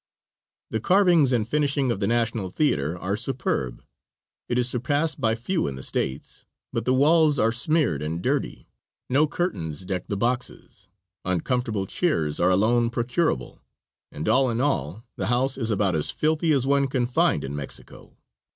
The carvings and finishing of the National Theater are superb. It is surpassed by few in the States, but the walls are smeared and dirty no curtains deck the boxes, uncomfortable chairs are alone procurable, and, all in all, the house is about as filthy as one can find in Mexico.